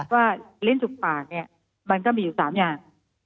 ว่าลิ้นจุกปากเนี่ยมันก็มีอยู่๓อย่าง